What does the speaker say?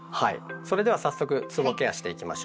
それでは早速つぼケアしていきましょう。